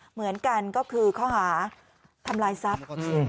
เหมือนกันก็คือข้อหาทำลายทรัพย์